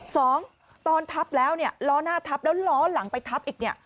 สองตอนทับแล้วเนี่ยล้อหน้าทับแล้วล้อหลังไปทับอีกเนี่ย